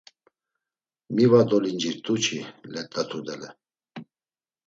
Mi va dolincirt̆u çi let̆a tudele?